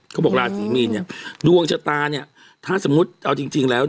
เค้าบอกราศีมีนดวงชะตาถ้าสมมติเอาจริง